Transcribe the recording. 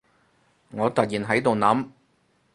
我突然喺度諗